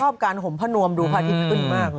การห่มพระนวมดูพระอาทิตย์ขึ้นมากเลย